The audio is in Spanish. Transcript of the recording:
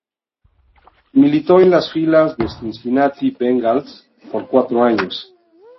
Militó en las filas del Cincinnati Bengals por cuatro años.